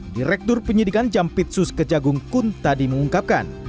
direktur penyidikan jampitsus kejagung kun tadi mengungkapkan